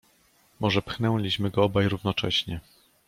"Może pchnęliśmy go obaj równocześnie."